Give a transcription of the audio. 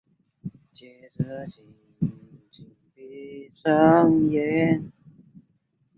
嘉靖二十二年升任户部右侍郎。